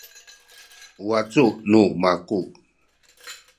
u wacu nu maku